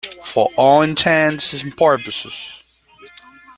For all intents and purposes.